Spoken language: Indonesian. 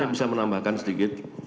saya bisa menambahkan sedikit